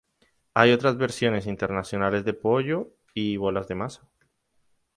Hay otras versiones internacionales de pollo y bolas de masa.